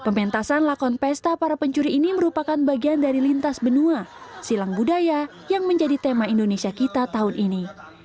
pementasan lakon pesta para pencuri ini merupakan bagian dari lintas benua silang budaya yang menjadi tema indonesia kita tahun ini